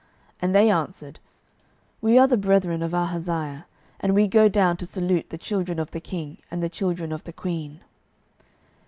And they answered, We are the brethren of Ahaziah; and we go down to salute the children of the king and the children of the queen.